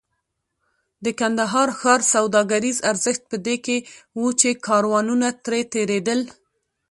د کندهار ښار سوداګریز ارزښت په دې کې و چې کاروانونه ترې تېرېدل.